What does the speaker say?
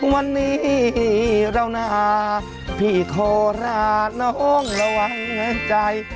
วันนี้เรานาพี่โคราชน้องระวังใจ